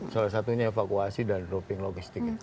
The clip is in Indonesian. salah satunya evakuasi dan dropping logistik